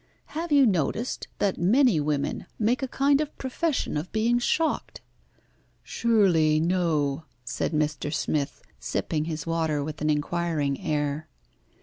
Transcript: Have you noticed that many women make a kind of profession of being shocked?" "Surely no," said Mr. Smith, sipping his water with an inquiring air.